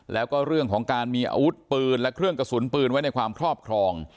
แล้วก็เรื่องของการมีอาวุธปืนและเครื่องกระสุนปืนไว้ในความครอบครอง